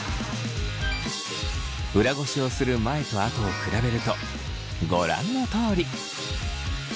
裏ごしをする前と後を比べるとご覧のとおり。